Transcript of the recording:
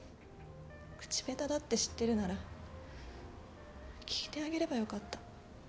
口下手だって知ってるなら聞いてあげればよかった。